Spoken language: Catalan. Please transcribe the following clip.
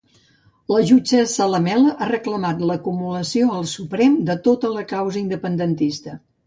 La jutgessa Lamela ha reclamat l'acumulació al Suprem de tota la causa independentista.